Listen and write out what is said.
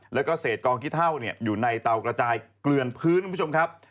แล้วก็เศษกองคิดเท่าเนี่ยอยู่ในเตากระจายเกลือนพื้นนะครับ